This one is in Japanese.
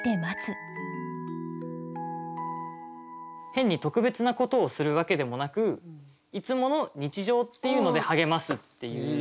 変に特別なことをするわけでもなくいつもの日常っていうので励ますっていう。